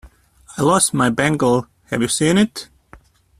I lost my bangle have you seen it?